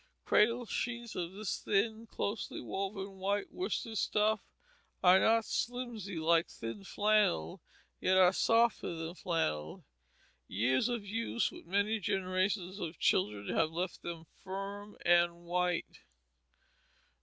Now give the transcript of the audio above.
Cradle sheets of this thin, closely woven, white worsted stuff are not slimsy like thin flannel, yet are softer than flannel. Years of use with many generations of children have left them firm and white.